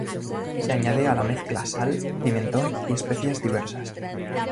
Se añade a la mezcla sal, pimentón y especias diversas.